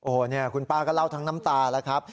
โอ้โหคุณป้าก็เล่าทั้งน้ำตาแล้วครับ